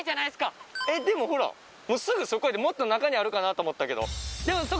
でもほらすぐそこやでもっと中にあるかなと思ったけど。